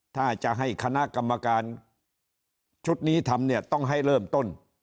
ถ้าจะให้คณะกรรมการชุดนี้ทำเนี่ยต้องให้เริ่มต้น